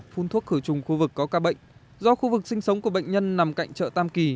phun thuốc khử trùng khu vực có ca bệnh do khu vực sinh sống của bệnh nhân nằm cạnh chợ tam kỳ